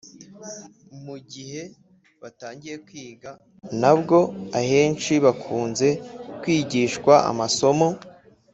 Mu gihe batangiye kwiga na bwo, ahenshi bakunze kwigishwa amasomo